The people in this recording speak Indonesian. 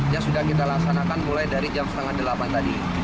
yang sudah kita laksanakan mulai dari jam setengah delapan tadi